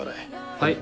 はい。